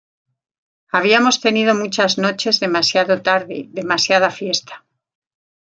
Habíamos tenido muchas noches demasiado tarde, demasiada fiesta.